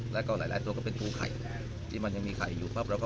แล้วก็หลายตัวก็เป็นปูไข่ที่มันยังมีไข่อยู่ปั๊บแล้วก็